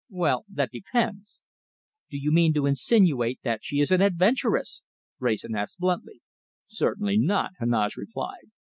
"Well, that depends." "Do you mean to insinuate that she is an adventuress?" Wrayson asked bluntly. "Certainly not," Heneage replied.